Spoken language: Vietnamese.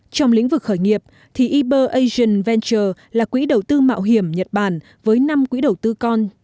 trong lĩnh vực khởi nghiệp thì eber asian ventur là quỹ đầu tư mạo hiểm nhật bản với năm quỹ đầu tư con